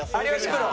プロ。